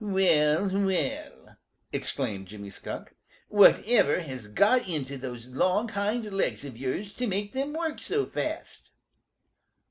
"Well, well," exclaimed Jimmy Skunk, "whatever has got into those long hind legs of yours to make them work so fast?"